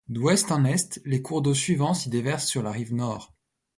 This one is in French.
D'ouest en est, les cours d'eau suivants s'y déversent sur la rive nord.